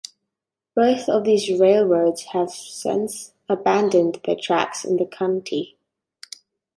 Both of these railroads have since abandoned their tracks in the county.